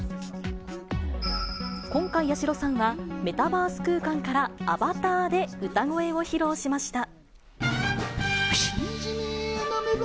今回、八代さんはメタバース空間からアバターで歌声を披露しました。